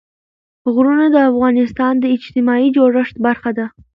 غرونه د افغانستان د اجتماعي جوړښت برخه ده.